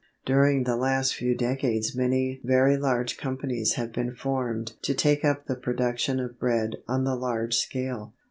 During the last few decades many very large companies have been formed to take up the production of bread on the large scale.